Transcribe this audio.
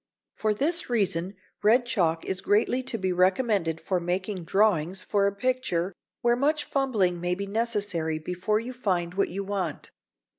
For this reason red chalk is greatly to be recommended for making drawings for a picture where much fumbling may be necessary before you find what you want.